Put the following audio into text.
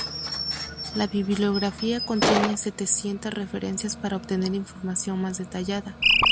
La bibliografía contiene unas setecientas referencias para obtener información más detallada.